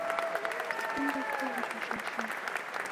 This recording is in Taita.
Sikunde kuenjesha shwashwaa